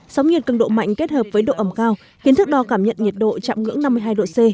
sóng nhiệt cân độ mạnh kết hợp với độ ẩm cao khiến thức đo cảm nhận nhiệt độ chạm ngưỡng năm mươi hai độ c